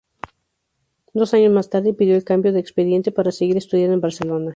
Dos años más tarde pidió el cambio de expediente para seguir estudiando en Barcelona.